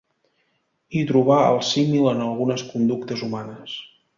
I trobà el símil en algunes conductes humanes.